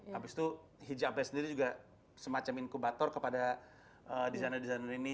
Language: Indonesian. habis itu hijabnya sendiri juga semacam inkubator kepada desainer desainer ini